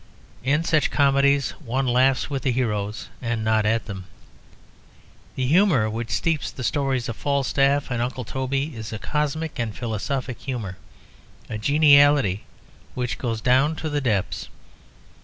In such comedies one laughs with the heroes, and not at them. The humour which steeps the stories of Falstaff and Uncle Toby is a cosmic and philosophic humour, a geniality which goes down to the depths.